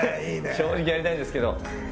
正直やりたいですけど。